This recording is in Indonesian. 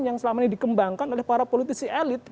yang selama ini dikembangkan oleh para politisi elit